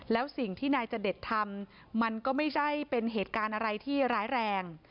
แล้วสิ่งที่นายจเดชทำมันก็ไม่ใช่เป็นเหตุการณ์อะไรที่ร้ายแรง